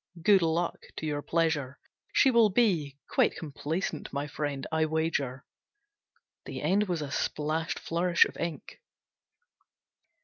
Good luck to your pleasure. She will be quite complaisant, my friend, I wager." The end was a splashed flourish of ink.